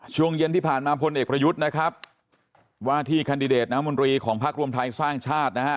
ช่วงเย็นที่ผ่านมาพลเอกประยุทธ์นะครับว่าที่แคนดิเดตน้ำมนตรีของพักรวมไทยสร้างชาตินะฮะ